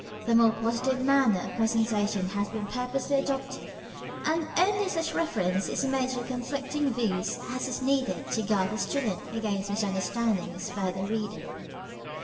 The more positive manner of presentation has been purposely adopted, and only such reference is made to conflicting views as is needed to guard the student against misunderstanding in his further reading.